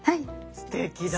すてきだわ。